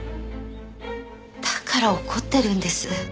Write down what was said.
だから怒ってるんです。